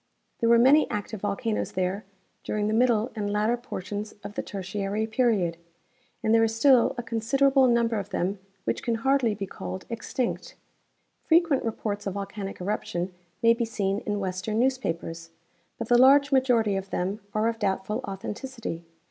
There were many active volcanoes there during the middle and latter portions of the Tertiary period, and there is still a considerable number of them which can hardly be called extinct. Frequent rej^orts of volcanic eruption may be seen in western neAVspapers, but the large majority of them are of doubtful authenticity.